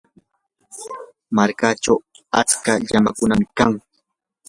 markachaw achka llamakunam kan.